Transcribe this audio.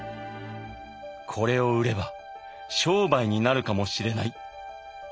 「これを売れば商売になるかもしれない」。